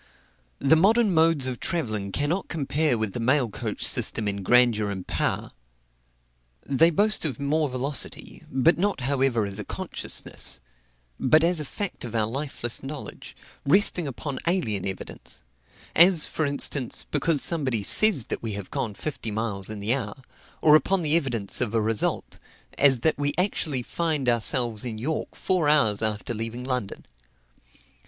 The modern modes of travelling cannot compare with the mail coach system in grandeur and power. They boast of more velocity, but not however as a consciousness, but as a fact of our lifeless knowledge, resting upon alien evidence; as, for instance, because somebody says that we have gone fifty miles in the hour, or upon the evidence of a result, as that actually we find ourselves in York four hours after leaving London.